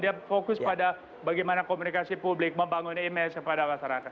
dia fokus pada bagaimana komunikasi publik membangun image kepada masyarakat